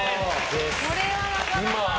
これは、なかなか。